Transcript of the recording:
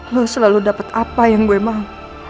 lo selalu dapat apa yang gue mau